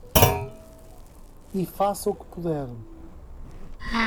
E faça o que puder